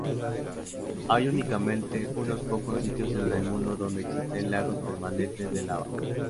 Hay únicamente unos pocos sitios en el mundo donde existen lagos permanentes de lava.